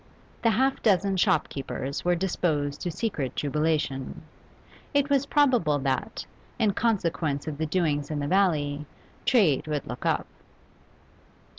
The half dozen shopkeepers were disposed to secret jubilation; it was probable that, in consequence of the doings in the valley, trade would look up.